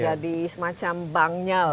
yang menjadi semacam bangnya lah